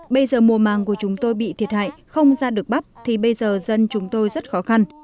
bây giờ mùa màng của chúng tôi bị thiệt hại không ra được bắp thì bây giờ dân chúng tôi rất khó khăn